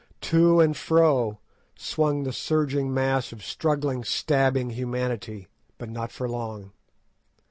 To and fro swung the surging mass of struggling, stabbing humanity, but not for long.